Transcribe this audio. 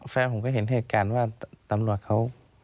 แฟนผมก็เห็นเหตุการณ์ว่าตำรวจเขา